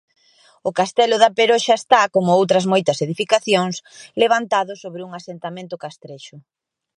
O Castelo da Peroxa está, como outras moitas edificacións, levantado sobre un asentamento castrexo.